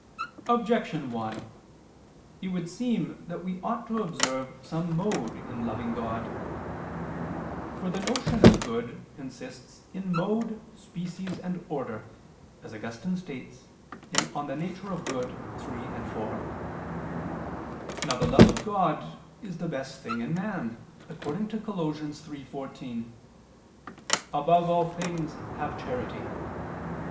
Objection 1: It would seem that we ought to observe some mode in loving God. For the notion of good consists in mode, species and order, as Augustine states (De Nat. Boni iii, iv). Now the love of God is the best thing in man, according to Col. 3:14: "Above all ... things, have charity."